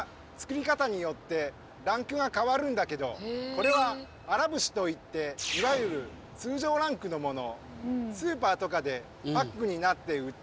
これは「荒節」といっていわゆる通常ランクのもの。